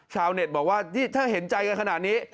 เน็ตบอกว่านี่ถ้าเห็นใจกันขนาดนี้